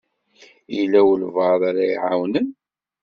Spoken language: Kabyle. Yella walebɛaḍ ara iɛawnen?